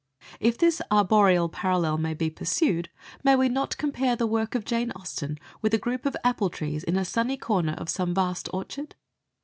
If this arboreal parallel may be pursued, may we not compare the work of Jane Austen with a group of apple trees in a sunny corner of some vast orchard?